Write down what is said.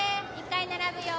１回並ぶよ。